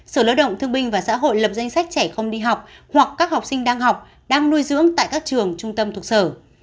sở lợi động thương binh và xã hội lập danh sách trẻ không đi học hoặc các học sinh đang học đang nuôi dưỡng tại các trường trung tâm thuộc sở